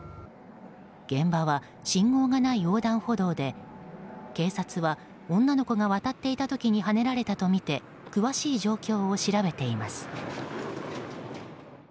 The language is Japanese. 現場は信号がない横断歩道で警察は女の子が渡っていた時にはねられたとみて詳しい状況を調べています。